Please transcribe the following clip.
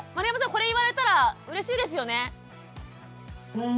これ言われたらうれしいですよね？